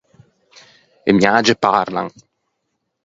E miage parlan.